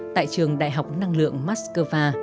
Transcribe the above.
tại trường đại học năng lượng moscow